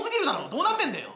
どうなってんだよ。